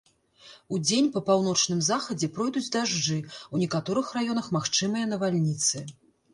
Удзень па паўночным захадзе пройдуць дажджы, у некаторых раёнах магчымыя навальніцы.